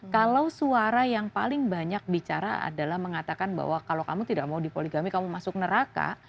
kalau suara yang paling banyak bicara adalah mengatakan bahwa kalau kamu tidak mau dipoligami kamu masuk neraka